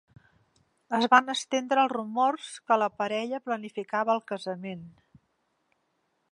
Es van estendre els rumors que la parella planificava el casament.